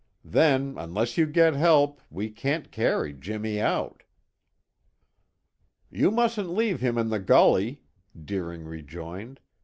Then, unless you get help, we can't carry Jimmy out." "You mustn't leave him in the gully," Deering rejoined.